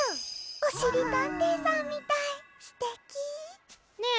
おしりたんていさんみたいすてき。ねえ